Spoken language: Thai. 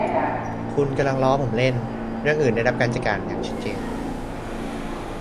คุณกำลังล้อผมเล่น เรื่องอื่นได้รับการจัดการอย่างชัดเจน